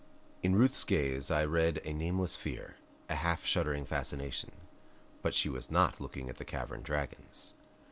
In Ruth's gaze I read a nameless fear, a half shuddering fascination. But she was not looking at the cavern dragons.